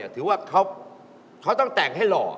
ถือว่าเขาต้องแต่งให้หล่อ